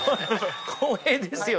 光栄ですよね。